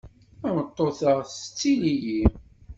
Tameṭṭut-a tettili-yi.